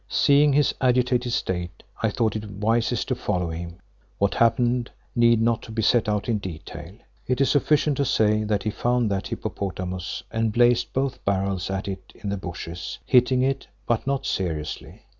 Seeing his agitated state I thought it wisest to follow him. What happened need not be set out in detail. It is sufficient to say that he found that hippopotamus and blazed both barrels at it in the bushes, hitting it, but not seriously.